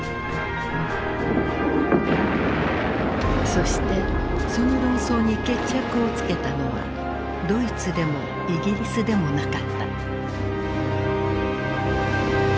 そしてその論争に決着をつけたのはドイツでもイギリスでもなかった。